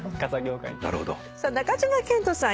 中島健人さん